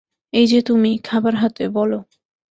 এই যে তুমি, খাবার হাতে, বলো!